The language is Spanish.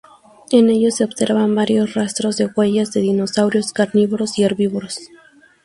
En ellos se observan varios rastros de huellas de dinosaurios carnívoros y herbívoros.